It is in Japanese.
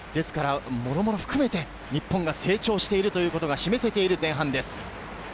もろもろ含めて、日本が成長しているということが示せている前半です。